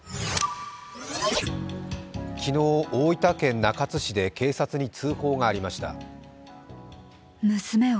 昨日、大分県中津市で警察に通報がありました。